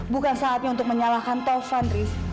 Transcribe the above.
bukan saatnya untuk menyalahkan taufan riz